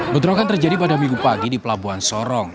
bentrokan terjadi pada minggu pagi di pelabuhan sorong